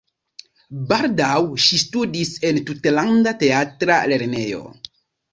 Baldaŭ ŝi studis en Tutlanda Teatra Lernejo.